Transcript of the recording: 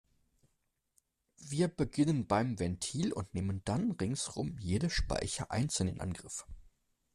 Wir beginnen beim Ventil und nehmen dann ringsum jede Speiche einzeln in Angriff.